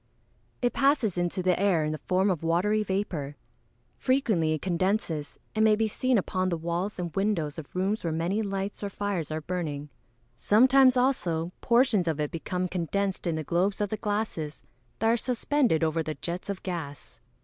_ It passes into the air in the form of watery vapour. Frequently it condenses, and may be seen upon the walls and windows of rooms where many lights or fires are burning. Sometimes, also, portions of it become condensed in the globes of the glasses that are suspended over the jets of gas.